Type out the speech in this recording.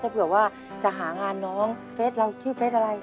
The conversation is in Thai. เผื่อว่าจะหางานน้องเฟสเราชื่อเฟสอะไร